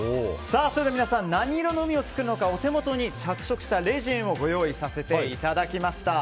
それでは皆さん何色の海を作るのかお手元に着色したレジンをご用意させていただきました。